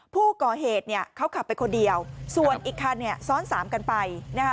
ผู้ก่อเหตุเขาขับไปคนเดียวส่วนอีกคันซ้อนสามกันไปนะคะ